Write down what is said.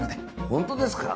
本当ですか？